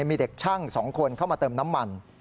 มีเด็กช่าง๒คนเข้ามาเติมน้ำมัน